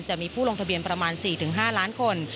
จะมีผู้ลงทะเบียนประมาณ๔๕ล้านคน